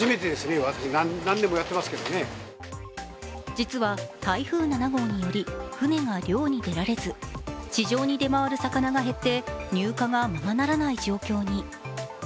実は台風７号により船が漁に出られず市場に出回る魚が減って、入荷がままならない状況に。